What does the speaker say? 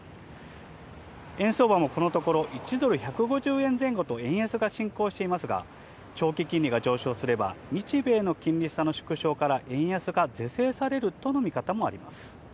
円相場もこのところ１ドル＝１５０円前後と円安が進行していますが、長期金利が上昇すれば、日米の金利差の縮小から円安が是正されるとの見方もあります。